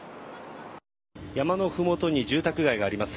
山のふもとに住宅街があります。